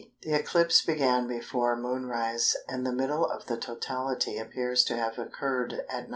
The eclipse began before moonrise, and the middle of the totality appears to have occurred at 9h.